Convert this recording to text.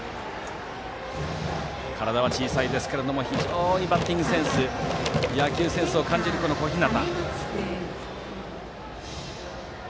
体は小さいですが非常にバッティングセンス野球センスを感じる小日向。